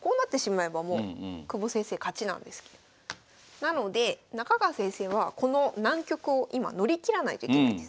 なので中川先生はこの難局を今乗り切らないといけないんです。